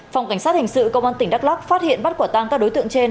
phòng cảnh sát hình sự công an tỉnh đắk lắc phát hiện bắt quả tang các đối tượng trên